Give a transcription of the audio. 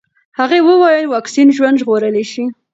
هغې وویل واکسین ژوند ژغورلی شي.